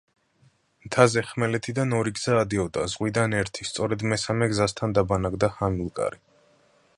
მთაზე ხმელეთიდან ორი გზა ადიოდა, ზღვიდან ერთი, სწორედ მესამე გზასთან დაბანაკდა ჰამილკარი.